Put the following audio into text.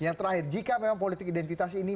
yang terakhir jika memang politik identitas ini